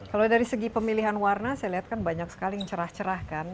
kalau dari segi pemilihan warna saya lihat kan banyak sekali yang cerah cerah kan